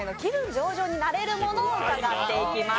上々になれるものを伺っていきます。